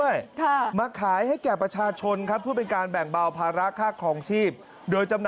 อยากได้หน้ากากถูกไหม